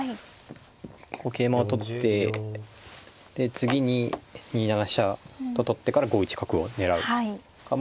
こう桂馬を取ってで次に２七飛車と取ってから５一角を狙う。